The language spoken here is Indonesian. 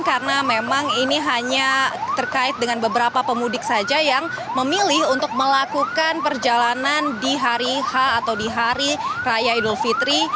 karena memang ini hanya terkait dengan beberapa pemudik saja yang memilih untuk melakukan perjalanan di hari h atau di hari raya idul fitri